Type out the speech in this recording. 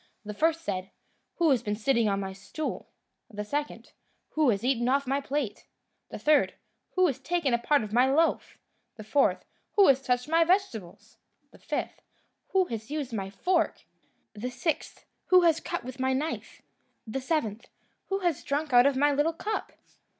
The first said, "Who has been sitting on my stool?" The second, "Who has eaten off my plate?" The third, "Who has taken part of my loaf?" The fourth, "Who has touched my vegetables?" The fifth, "Who has used my fork?" The sixth, "Who has cut with my knife?" The seventh, "Who has drunk out of my little cup?"